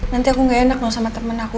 nanti aku gak enak loh sama temen aku